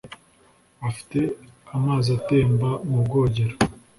Afite amazi atemba mu bwogero